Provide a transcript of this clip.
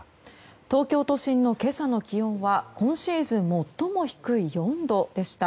東京都心の今朝の気温は今シーズン最も低い４度でした。